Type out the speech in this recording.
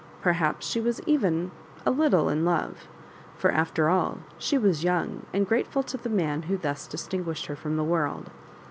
Perhaps she was even a little in love ; for, after all, she was young, and grateful to the man who thus distinguished her from the world.